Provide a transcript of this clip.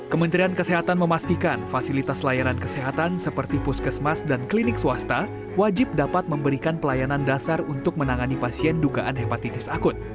kementerian kesehatan memastikan fasilitas layanan kesehatan seperti puskesmas dan klinik swasta wajib dapat memberikan pelayanan dasar untuk menangani pasien dugaan hepatitis akut